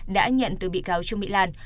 đã nhận từ bị cáo chương mỹ lan